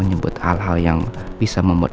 menyebut hal hal yang bisa membuat